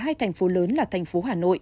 hai thành phố lớn là thành phố hà nội